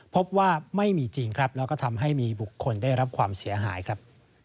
พบว่าไม่มีจริงครับแล้วก็ทำให้มีบุคคลได้รับความเสียหายครับ